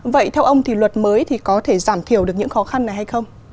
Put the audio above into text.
vậy theo ông thì luật mới thì có thể giảm thiểu được những khó khăn này hay không